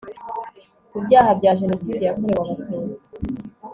ku byaha bya jenoside yakorewe abatutsi